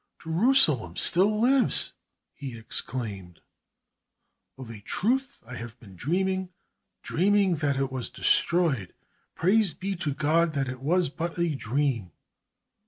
"Jerusalem still lives," he exclaimed. "Of a truth I have been dreaming dreaming that it was destroyed. Praise be to God that it was but a dream."